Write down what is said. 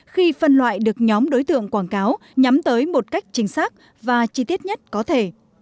khi phân loại được nhóm đối tượng quảng cáo nhắm tới một cách chính xác và chi tiết nhất có thể